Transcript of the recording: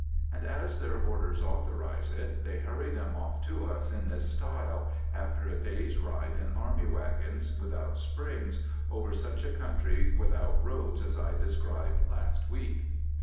And as their orders authorize it, they hurry them off to us in this style, after a day's ride in army wagons, without springs, over such a country without roads as I described last week.